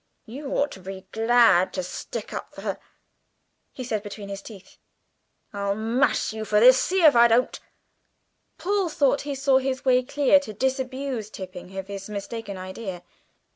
"You ought to be glad to stick up for her," he said between his teeth. "I'll mash you for this see if I don't!" Paul thought he saw his way clear to disabuse Tipping of his mistaken idea.